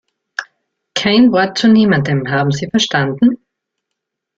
Kein Wort zu niemandem, haben Sie verstanden?